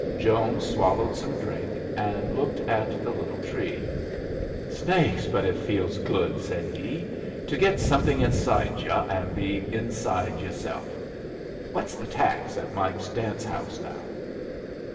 Jones swallowed some drink, and looked at the little tree. "Snakes! but it feels good," said he, "to get something inside y'u and be inside yerself. What's the tax at Mike's dance house now?"